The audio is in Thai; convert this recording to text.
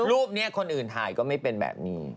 รูปนี้คนอื่นถ่ายก็ไม่เป็นแบบนี้